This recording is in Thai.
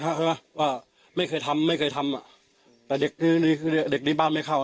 ใช่ไหมว่าไม่เคยทำไม่เคยทำอ่ะแต่เด็กคือดีคือเด็กเด็กในบ้านไม่เข้า